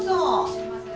すみません。